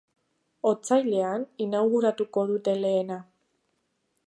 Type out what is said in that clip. Otsailean inauguratuko dute lehena.